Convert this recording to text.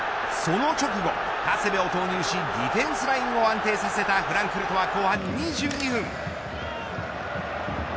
その直後、長谷部を投入しディフェンスラインを安定させたフランクフルトは後半２２分。